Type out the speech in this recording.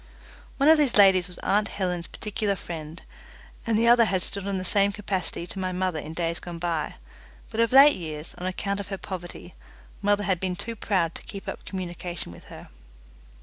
One of these ladies was aunt Helen's particular friend, and the other had stood in the same capacity to my mother in days gone by, but of late years, on account of her poverty, mother had been too proud to keep up communication with her.